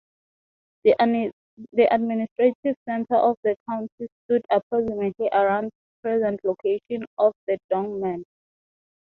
The administrative centre of the county stood approximately around present location of the Dongmen.